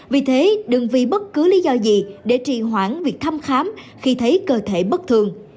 vì thế đừng vì bất cứ lý do gì để trì hoãn việc thăm khám khi thấy cơ thể bất thường